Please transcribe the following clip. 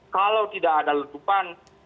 kalau tidak ada letupan